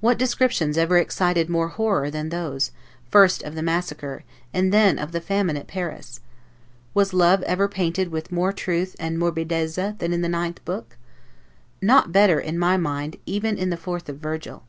What descriptions ever excited more horror than those, first of the Massacre, and then of the Famine at Paris? Was love ever painted with more truth and 'morbidezza' than in the ninth book? Not better, in my mind, even in the fourth of Virgil.